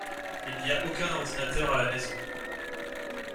Il n’y a aucun ordinateur à la maison.